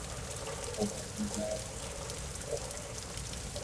Sir, সাংবাদিক মারানের tweet নিয়ে আপনার মন্তব্য কী?